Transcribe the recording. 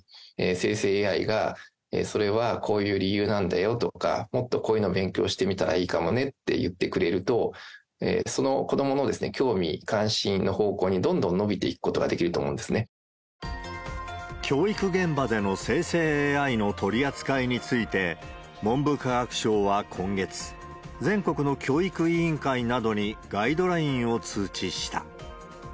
生成ＡＩが、それはこういう理由なんだよとか、もっとこういうのを勉強してみたらいいかもねって言ってくれると、子どもの興味、関心の方向にどんどん伸びていくことができると思教育現場での生成ＡＩの取り扱いについて、文部科学省は今月、全国の教育委員会などにガイドラインを通知した。